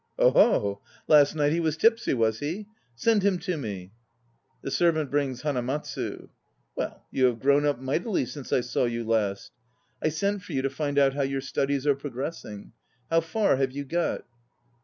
Oho! Last night he was tipsy, was he? Send him to me. (The SERVANT brings HANAMATSU.) Well, you have grown up mightily since I saw you last. I sent for you to find out how your studies are progressing. How far have you got?